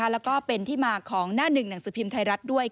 แล้วก็เป็นที่มาของหน้าหนึ่งหนังสือพิมพ์ไทยรัฐด้วย